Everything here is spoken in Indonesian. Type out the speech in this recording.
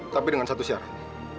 tapi dengan satu syarat